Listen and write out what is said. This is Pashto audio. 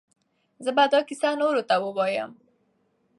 زه به دا کیسه نورو ته ووایم.